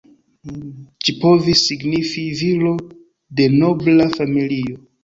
Ĝi povis signifi "viro de nobla familio".